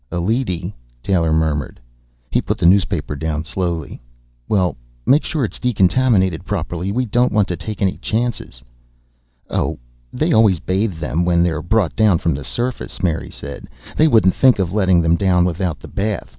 "A leady," Taylor murmured. He put the newspaper slowly down. "Well, make sure it's decontaminated properly. We don't want to take any chances." "Oh, they always bathe them when they're brought down from the surface," Mary said. "They wouldn't think of letting them down without the bath.